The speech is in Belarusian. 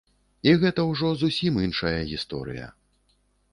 І гэта ўжо зусім іншая гісторыя.